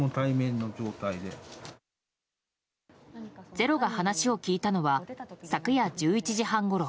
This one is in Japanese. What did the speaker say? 「ｚｅｒｏ」が話を聞いたのは昨夜１１時半ごろ。